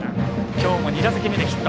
きょうも２打席目でヒット。